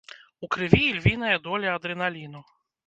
У крыві ільвіная доля адрэналіну.